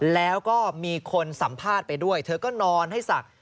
แล้วก็มีคนสัมภาษณ์ไปด้วยเธอก็นอนให้ศักดิ์